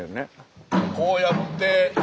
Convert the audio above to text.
こうやって。